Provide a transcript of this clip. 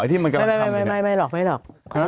ไอ้ที่มันกำลังทำอย่างเนี่ยไม่หลอก